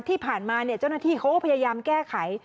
ที่ผ่านมาเจ้าหน้าที่เขาก็พยายามแก้ไข